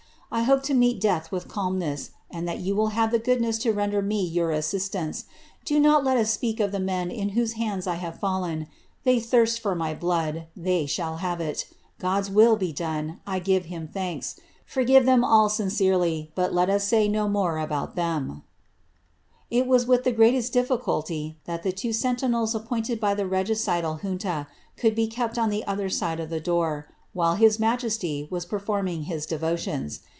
I hope to meet 1 calmness, and that you will have the goodness to render me itance. Do not let us speak of the men in whose hands I have 'hey thirst for my blood — they shall have it. God^s will be ive him thanks. I forgive them all sincerely; but let us say ibout them." with the greatest difficulty that the two sentinels appointed by ial junta could be kept on the other side of the door, while his ^as performing his devotions.